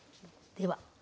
では。